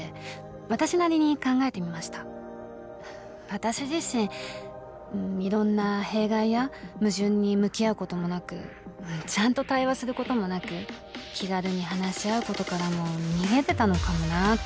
私自身いろんな弊害や矛盾に向き合うこともなくちゃんと対話することもなく気軽に話し合うことからも逃げてたのかもなって。